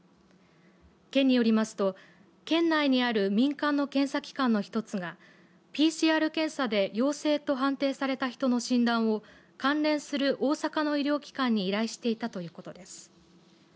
県によりますと県内にある民間の検査機関の１つがＰＣＲ検査で陽性と判定された人の診断を関連する大阪の医療機関に依頼していたということです。